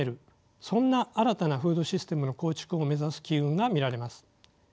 そんな新たなフードシステムの構築を目指す気運が見られます。